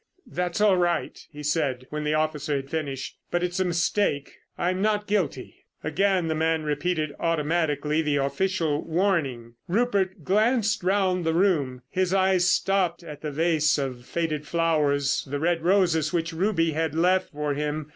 "That's all right," he said when the officer had finished. "But it's a mistake. I'm not guilty." Again the man repeated automatically the official warning. Rupert glanced round the room. His eyes stopped at the vase of faded flowers, the red roses which Ruby had left for him....